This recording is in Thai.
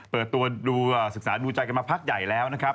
เปิดตัวดูศึกษาดูใจกันมาพักใหญ่แล้วนะครับ